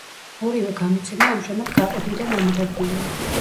ორივე გამოცემა ამჟამად გაყიდვიდან ამოღებულია.